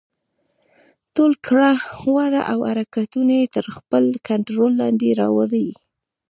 ټول کړه وړه او حرکتونه يې تر خپل کنټرول لاندې راولي.